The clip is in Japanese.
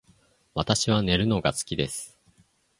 私は寝るのが好きです